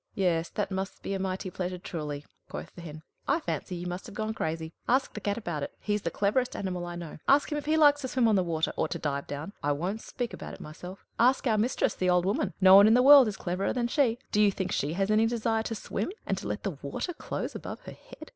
"Yes, that must be a mighty pleasure, truly," quoth the Hen, "I fancy you must have gone crazy. Ask the Cat about it he's the cleverest animal I know ask him if he likes to swim on the water, or to dive down I won't speak about myself. Ask our mistress, the old woman; no one in the world is cleverer than she. Do you think she has any desire to swim, and to let the water close above her head?"